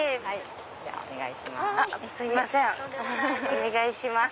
お願いします。